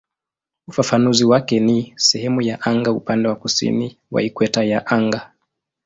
Ufafanuzi wake ni "sehemu ya anga upande wa kusini wa ikweta ya anga".